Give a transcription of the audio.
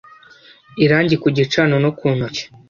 irangi ku gicaniro no ku ntoki